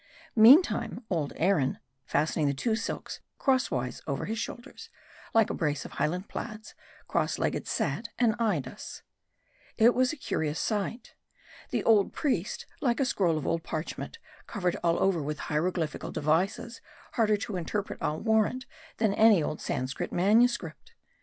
Meantime, old Aaron, fastening the two silks crosswise over his shoulders, like a brace of Highland plaids, crosslegged sat, and eyed us. It was a curious sight. The old priest, like a scroll of old parchment, covered all over with hieroglyphical devices, harder to interpret, I'll warrant, than any old Sanscrit manuscript.